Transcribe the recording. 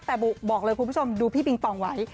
แต่บอกเลยคุณผู้ชมดูพี่ปิงปองไว้